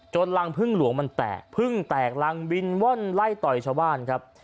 รังพึ่งหลวงมันแตกพึ่งแตกรังบินว่อนไล่ต่อยชาวบ้านครับ